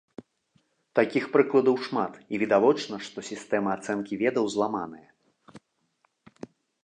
Такіх прыкладаў шмат, і відавочна, што сістэма ацэнкі ведаў зламаная.